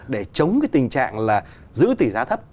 để chống cái tình trạng là giữ tỷ giá thấp